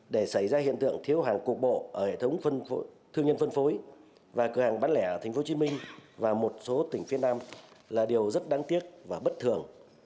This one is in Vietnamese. để xảy ra hiện tượng thiếu hàng cục bộ ở hệ thống thương nhân phân phối và cửa hàng bán lẻ ở tp hcm và một số tỉnh phía nam là điều rất đáng tiếc và bất thường